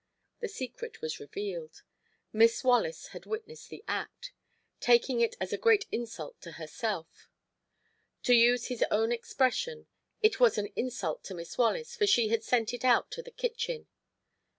The secret was revealed. Miss Wallace had witnessed the act, taking it as a great insult to herself. To use his own expression: "It was an insult to Miss Wallace, for she had sent it out to the kitchen."